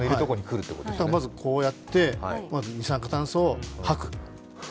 まずこうやって二酸化炭素を吐く。